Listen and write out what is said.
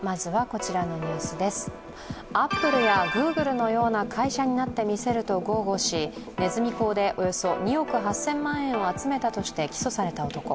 アップルやＧｏｏｇｌｅのような会社になってみせると豪語しねずみ講でおよそ２億８０００万円を集めたとして起訴された男。